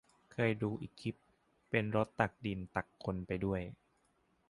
เคยดูอีกคลิป เป็นรถตักดิน ตักคนไปด้วย